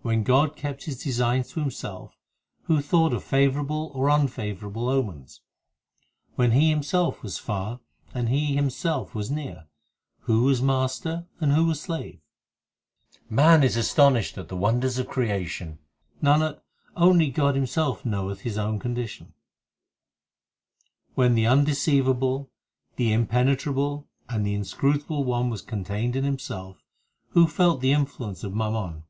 When God kept His designs to Himself, Who thought of favourable or unfavourable omens ? When He Himself was far and He Himself was near, Who was Master and who was slave ? Man is astonished at the wonders of creation : Nanak, only God Himself knoweth His own condition. 262 THE SIKH RELIGION When the undeceivable, the impenetrable, and the in scrutable One was contained in Himself, Who felt the influence of mammon